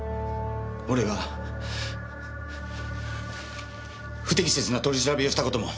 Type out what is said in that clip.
俺が不適切な取り調べをした事も。